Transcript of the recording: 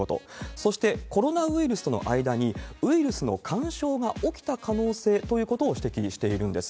そして、コロナウイルスとの間にウイルスの干渉が起きた可能性ということを指摘しているんです。